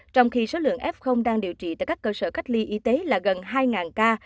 trong khi số lượng f đang điều trị tại các cơ sở cách ly y tế là gần hai ca